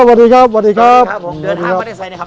สวัสดีครับสวัสดีครับสวัสดีครับสวัสดีครับสวัสดีครับสวัสดีครับ